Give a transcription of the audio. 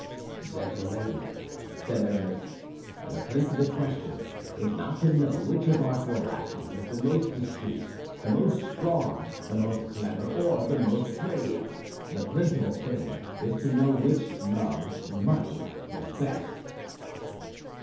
"Gentlemen," said Aramis, "the principal question is not to know which of our four lackeys is the most discreet, the most strong, the most clever, or the most brave; the principal thing is to know which loves money the best."